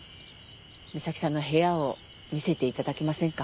美咲さんの部屋を見せていただけませんか？